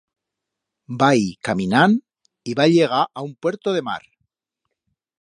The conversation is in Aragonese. Va ir caminand y va llegar a un puerto de mar.